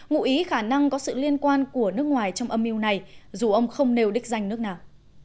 ngụ ý khả năng có sự liên quan của nước ngoài trong âm mưu này dù ông không nêu đích danh nước nào